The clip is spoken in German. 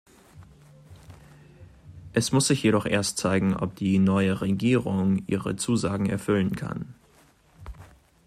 Es muss sich jedoch erst zeigen, ob die neue Regierung ihre Zusagen erfüllen kann.